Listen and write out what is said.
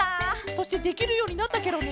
そしてできるようになったケロね。